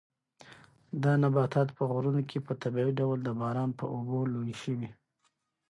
دا نباتات په غرونو کې په طبیعي ډول د باران په اوبو لوی شوي.